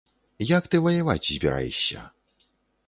Як ты ваяваць збіраешся?!